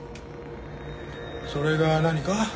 それが何か？